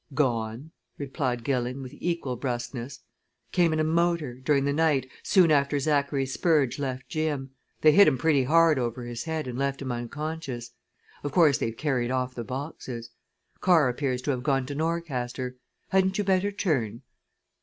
"Gone!" replied Gilling, with equal brusqueness. "Came in a motor, during the night, soon after Zachary Spurge left Jim. They hit him pretty hard over his head and left him unconscious. Of course they've carried off the boxes. Car appears to have gone to Norcaster. Hadn't you better turn?"